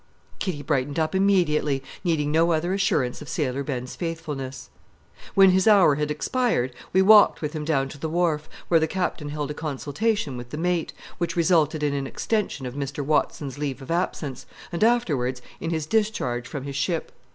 Kitty brightened up immediately, needing no other assurance of Sailor Ben's faithfulness. When his hour had expired, we walked with him down to the wharf, where the Captain held a consultation with the mate, which resulted in an extension of Mr. Watson's leave of absence, and afterwards in his discharge from his ship.